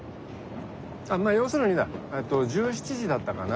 まあ要するにだ１７時だったかな。